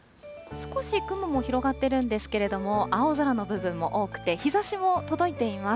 少し雲も広がってるんですけれども、青空の部分も多くて、日ざしも届いています。